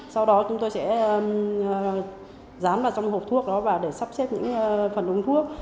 sau đó chúng tôi sẽ dán vào trong hộp thuốc đó và để sắp xếp những phần uống thuốc